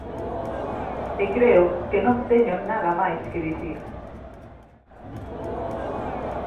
E creo que non teño nada máis que dicir.